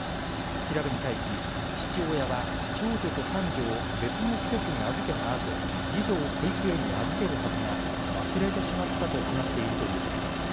調べに対し、父親は長女と三女を別の施設に預けた後次女を保育園に預けるはずが忘れてしまったと話しているということです。